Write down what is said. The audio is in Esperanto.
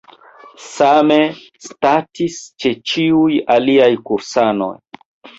Same statis ĉe ĉiuj aliaj kursanoj.